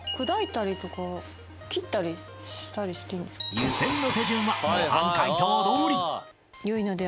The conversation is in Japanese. ［湯煎の手順は模範解答どおり］